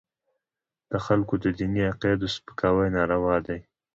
د خلکو د دیني عقایدو سپکاوي ناروا دی.